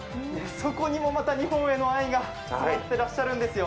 そこにもまた日本への愛が詰まってらっしゃるんですよ。